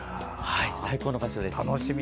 最高の場所です。